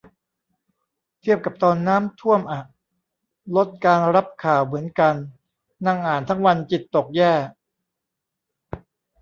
เทียบกับตอนน้ำท่วมอะ ลดการรับข่าวเหมือนกัน นั่งอ่านทั้งวันจิตตกแย่